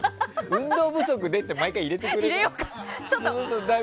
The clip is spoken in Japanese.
運動不足でって毎回、入れてくれない？